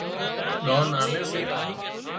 ۮانَ آلي سي